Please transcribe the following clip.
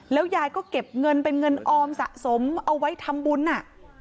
แล้วยายก็เก็บเงินเป็นเงินออมสะสมเอาไว้ทำบุญอ่ะ